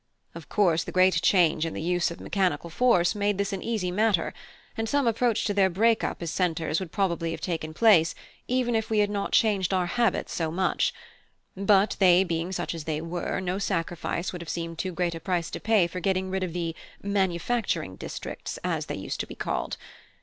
Of course, the great change in the use of mechanical force made this an easy matter, and some approach to their break up as centres would probably have taken place, even if we had not changed our habits so much: but they being such as they were, no sacrifice would have seemed too great a price to pay for getting rid of the 'manufacturing districts,' as they used to be called.